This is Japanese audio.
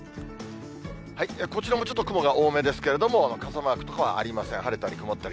こちらもちょっと雲が多めですけれども、傘マークとかはありません、晴れたり曇ったり。